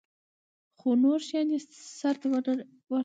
خو نور شيان يې سره ورته دي.